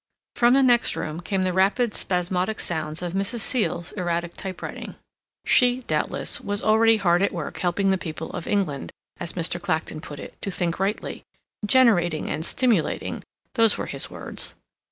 From the next room came the rapid spasmodic sounds of Mrs. Seal's erratic typewriting; she, doubtless, was already hard at work helping the people of England, as Mr. Clacton put it, to think rightly; "generating and stimulating," those were his words.